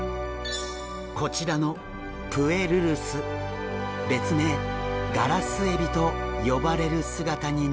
こちらのプエルルス別名「ガラスエビ」と呼ばれる姿になるんです。